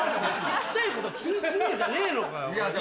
小っちゃいこと気にしねえんじゃねぇのかよ。